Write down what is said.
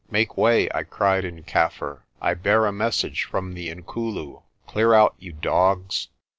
"Make way!" I cried in Kaffir. "I bear a message from the Inkulu.f Clear out, you dogs!'